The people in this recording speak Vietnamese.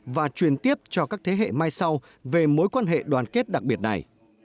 và truyền tiếp cho các thế hệ mai sau về mối quan hệ đoàn kết đặc biệt này